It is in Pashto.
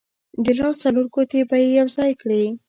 د لاس څلور ګوتې به یې یو ځای کړې.